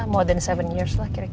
more than seven years lah kira kira